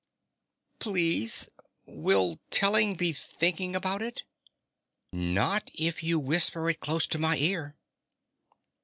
"Please, will telling be thinking about it?" "Not if you whisper it close in my ear."